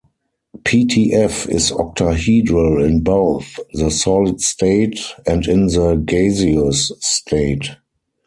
PtF is octahedral in both the solid state and in the gaseous state.